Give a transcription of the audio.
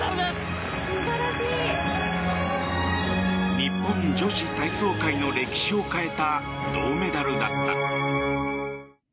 日本女子体操界の歴史を変えた銅メダルだった。